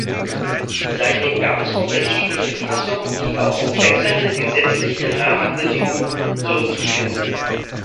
Seitdem gab es unterschiedliche Fassungen, die auch auf wechselnde gesetzliche Rahmenbedingungen zurückzuführen sind.